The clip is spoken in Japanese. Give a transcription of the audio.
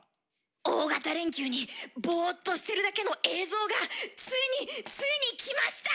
大型連休にボーっとしてるだけの映像がついについにきました！